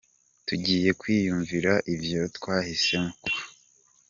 "Tugiye kwiyumvira ivyo twashitseko, reka twigine uyu mwanya ubwa mbere.